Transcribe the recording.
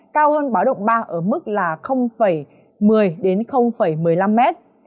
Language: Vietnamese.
cao hơn báo động ba ở mức là một mươi đến một mươi năm mét